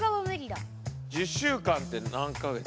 １０週間って何か月？